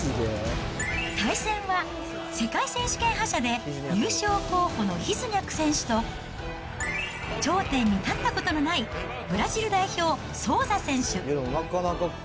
対戦は、世界選手権覇者で優勝候補のヒズニャク選手と、頂点に立ったことのないブラジル代表、ソウザ選手。